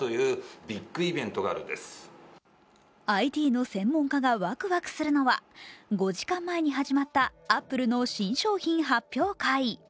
ＩＴの専門家がワクワクするのは５時間前に始まったアップルの新商品発表会。